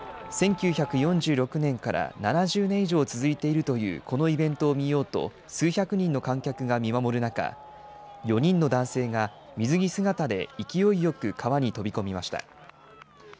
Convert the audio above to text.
１９４６年から７０年以上続いているというこのイベントを見ようと、数百人の観客が見守る中、４人の男性が水着姿で勢いよく川に飛び込みました。